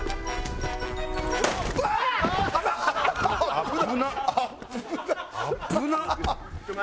危なっ！